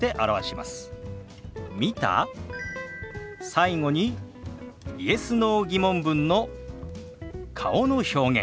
最後にＹｅｓ／Ｎｏ−疑問文の顔の表現。